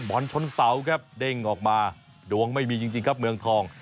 บอลชนเสาครับเด้งออกมาดวงไม่มีจริงครับเมืองทอง